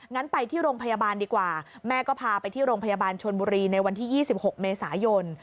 งั้นไปที่โรงพยาบาลดีกว่าแม่ก็พาไปที่โรงพยาบาลชนบุรีในวันที่๒๖เมษายน